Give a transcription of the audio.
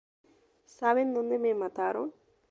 Saben dónde me mataron.